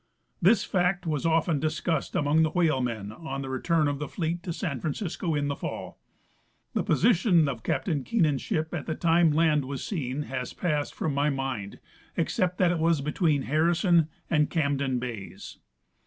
This fact was often discussed among the whalemen on the re turn of the fleet to San Francisco in the fall. The position of Captain Keenan's ship at the time land was seen has passed from my mind, except that it was between Harrison and Camden bays.